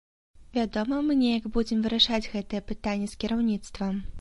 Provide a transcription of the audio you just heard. Вядома, мы неяк будзем вырашаць гэтае пытанне з кіраўніцтвам.